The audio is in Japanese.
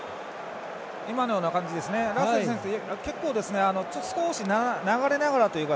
今のような感じでラッセル選手少し流れながらというか